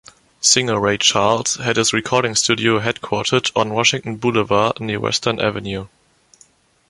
Singer Ray Charles had his recording studio headquartered on Washington Boulevard near Western Avenue.